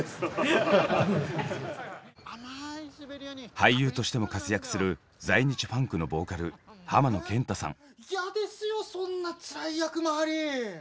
俳優としても活躍する在日ファンクのボーカル浜野謙太さん。